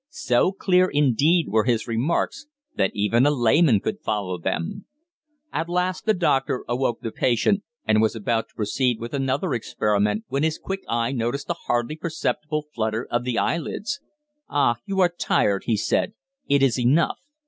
So clear, indeed, were his remarks that even a layman could follow them. At last the doctor awoke the patient, and was about to proceed with another experiment when his quick eye noticed a hardly perceptible flutter of the eyelids. "Ah, you are tired," he said. "It is enough."